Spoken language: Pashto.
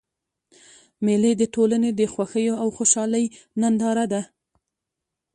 مېلې د ټولني د خوښیو او خوشحالۍ ننداره ده.